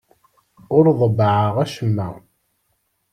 Ur ḍebbɛeɣ acemma.